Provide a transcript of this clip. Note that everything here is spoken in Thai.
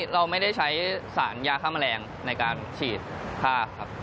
เราไม่ได้ใช้สารยาฆ่าแมลงในการฉีดผ้าครับ